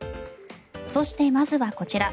そして、まずはこちら。